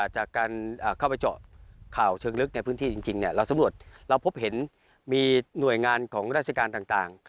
จากการเข้าไปเจาะข่าวเชิงลึกในพื้นที่จริงเราสำรวจเราพบเห็นมีหน่วยงานของราชการต่าง